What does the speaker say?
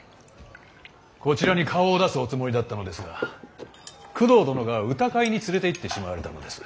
こちらに顔を出すおつもりだったのですが工藤殿が歌会に連れていってしまわれたのです。